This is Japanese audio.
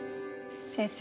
先生